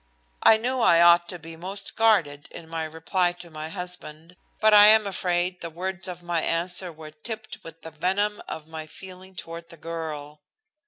I knew I ought to be most guarded in my reply to my husband, but I am afraid the words of my answer were tipped with the venom of my feeling toward the girl.